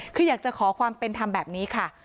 คืออยากจะขอความเป็นธรรมแบบนี้ค่ะ